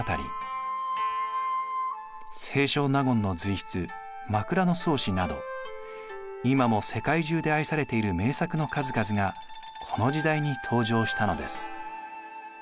清少納言の随筆「枕草子」など今も世界中で愛されている名作の数々がこの時代に登場したのです。